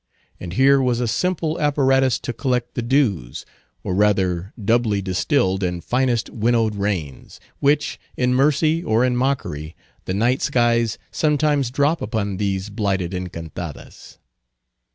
And here was a simple apparatus to collect the dews, or rather doubly distilled and finest winnowed rains, which, in mercy or in mockery, the night skies sometimes drop upon these blighted Encantadas.